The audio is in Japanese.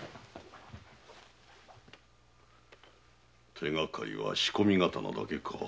手がかりは仕込み刀だけか。